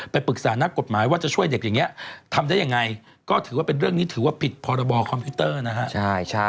ปรึกษานักกฎหมายว่าจะช่วยเด็กอย่างนี้ทำได้ยังไงก็ถือว่าเป็นเรื่องนี้ถือว่าผิดพรบคอมพิวเตอร์นะฮะ